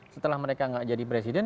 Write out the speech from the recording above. setelah mereka gak jadi presiden